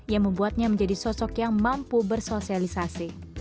yang membuatnya menjadi sosok yang mampu bersosialisasi